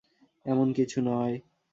এমন কিছু নয়।